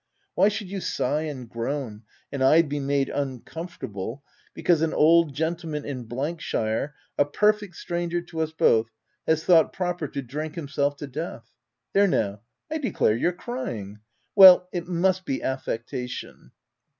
Why should you sigh and groan, and I be made un comfortable because an old gentleman in shire, a perfect stranger to us both, has thought proper to drink himself to death ?— There now, I declare you're crying ! Well, it must be affec tation.